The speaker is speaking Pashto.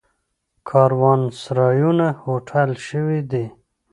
کاروانسرایونه هوټل شوي دي.